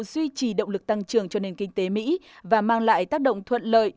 duy trì động lực tăng trưởng cho nền kinh tế mỹ và mang lại tác động thuận lợi